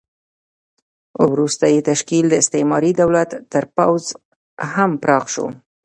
وروسته یې تشکیل د استعماري دولت تر پوځ هم پراخ شو.